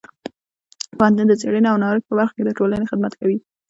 پوهنتون د څیړنې او نوښت په برخه کې د ټولنې خدمت کوي.